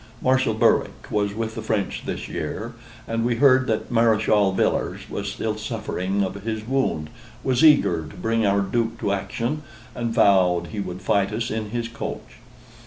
Marshal Berwick was with the French this year; and we heard that Mareschal Villars was still suffering of his wound, was eager to bring our Duke to action, and vowed he would fight us in his coach.